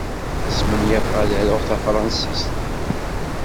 Smenyafeɣ ad aruɣ s tefṛensist.